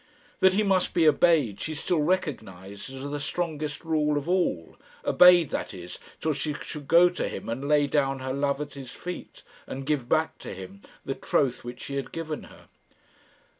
That he must be obeyed she still recognised as the strongest rule of all obeyed, that is, till she should go to him and lay down her love at his feet, and give back to him the troth which he had given her.